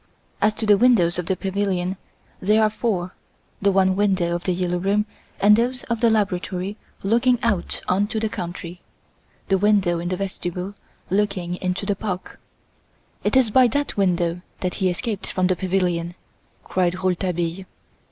As to the windows of the pavilion, there are four; the one window of The "Yellow Room" and those of the laboratory looking out on to the country; the window in the vestibule looking into the park." "It is by that window that he escaped from the pavilion!" cried Rouletabille.